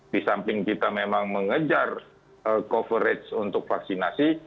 di samping kita memang mengejar coverage untuk vaksinasi